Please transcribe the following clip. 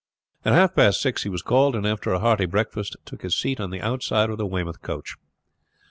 At half past six he was called, and after a hearty breakfast took his seat on the outside of the Weymouth coach.